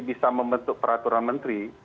bisa membentuk peraturan menteri